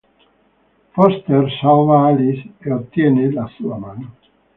Foster salva Alice e ottiene la sua mano.